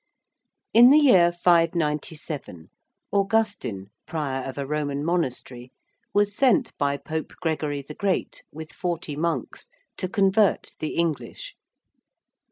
In the year 597 Augustine, prior of a Roman monastery, was sent by Pope Gregory the Great with forty monks, to convert the English.